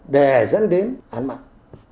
đề dẫn đến án mạng